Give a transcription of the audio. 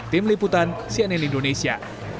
tim liputan cnn indonesia